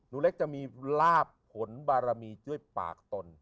เล็กจะมีลาบผลบารมีด้วยปากตน